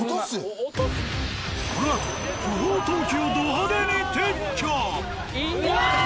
このあと不法投棄をド派手に撤去。